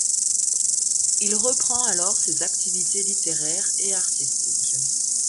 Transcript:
Il reprend alors ses activités littéraires et artistiques.